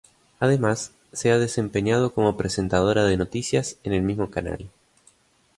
Además, se ha desempeñado como presentadora de noticias en el mismo canal.